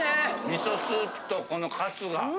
みそスープとこのカツが。